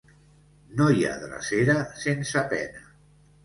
No hi ha drecera sense pena.